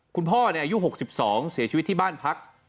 คุณพ่ออายุ๖๒เสียชีวิตที่บ้านพัก